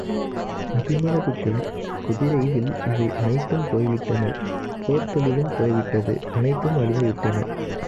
அபிமனது தேர், குதிரை, வில் இவை அனைத்தும் போய்விட்டன போர்த்தொழிலும் போய்விட்டது அனைத்தும் அழிந்து விட்டன.